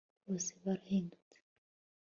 bose barahindutse